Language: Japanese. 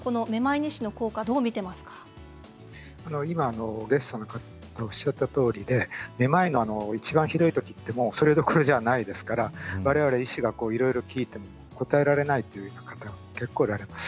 今ゲストの方がおっしゃったとおりでめまいの一番ひどい時ってもうそれどころじゃないですから我々医師がいろいろ聞いても答えられないという方が結構おられます。